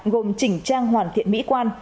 gồm chỉnh trang hoàn thiện mỹ quan